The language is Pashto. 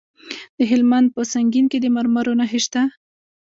د هلمند په سنګین کې د مرمرو نښې شته.